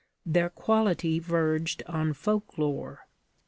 Their quality verged on folk lore.